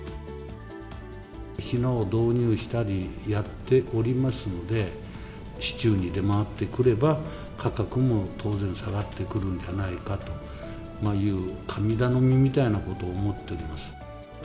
ひなを導入したりやっておりますので、市中に出回ってくれば、価格も当然下がってくるんではないかという神頼みみたいなことを思っております。